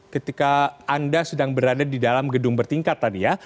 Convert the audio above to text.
ketika anda sedang berada di dalam gedung bertingkat tadi ya